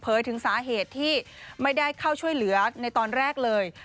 ถึงสาเหตุที่ไม่ได้เข้าช่วยเหลือในตอนแรกเลย